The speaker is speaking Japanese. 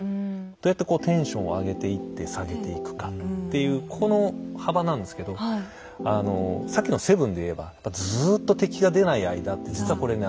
どうやってこうテンションを上げていって下げていくかっていうこの幅なんですけどさっきの「７」で言えばずっと敵が出ない間って実はこれね